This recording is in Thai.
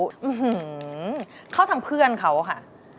อื้อหือเข้าทางเพื่อนเขาค่ะ